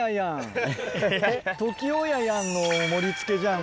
「ＴＯＫＩＯややん」の盛り付けじゃん